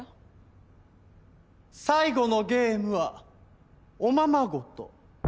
最後のゲームはおままごと。